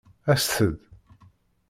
Aset-d!